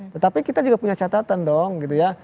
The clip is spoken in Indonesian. tetapi kita juga punya catatan dong gitu ya